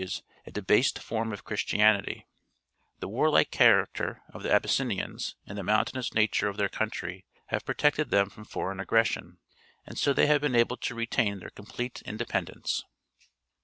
It has a heavy summer ramfall, which causes the warUke character of the Abyssinians and the mountainous nature of their country have protected them from foreign aggres sion, and so they have been able to retain their complete independence.